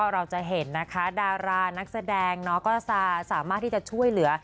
เราจะเห็นนะคะดารานักแสดงก็จะสามารถที่จะช่วยเหลือ